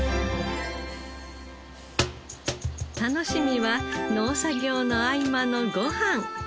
楽しみは農作業の合間のご飯。